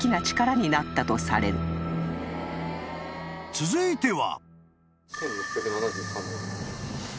［続いては］